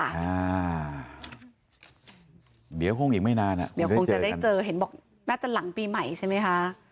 เดี๋ยวคงอีกไม่นานอ่ะเดี๋ยวคงจะได้เจอเห็นบอกน่าจะหลังปีใหม่ใช่ไหมคะ